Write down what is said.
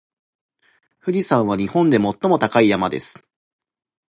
富士山は日本で最も高い山です。